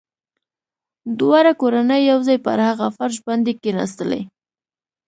دواړه کورنۍ يو ځای پر هغه فرش باندې کښېناستلې.